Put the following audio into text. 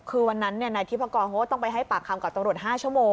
คือวันนั้นนายทิพกรเขาก็ต้องไปให้ปากคำกับตำรวจ๕ชั่วโมง